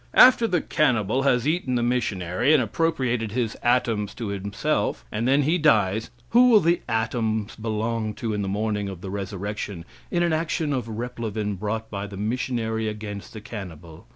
After the cannibal has eaten the missionary, and appropriated his atoms to himself, and then he dies, who will the atoms belong to in the morning of the resurrection in an action of replevin brought by the missionary against the cannibal?